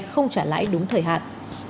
không trả lãi đúng thời hạn